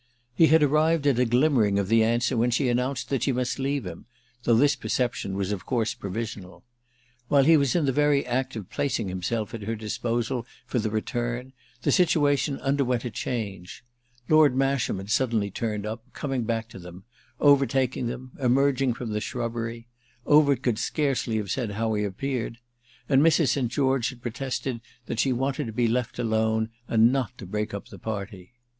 He had arrived at a glimmering of the answer when she announced that she must leave him, though this perception was of course provisional. While he was in the very act of placing himself at her disposal for the return the situation underwent a change; Lord Masham had suddenly turned up, coming back to them, overtaking them, emerging from the shrubbery—Overt could scarcely have said how he appeared—and Mrs. St. George had protested that she wanted to be left alone and not to break up the party.